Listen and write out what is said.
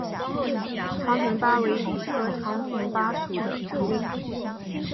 长臀鲃为鲤科长臀鲃属的鱼类。